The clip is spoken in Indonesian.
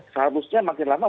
seharusnya makin lama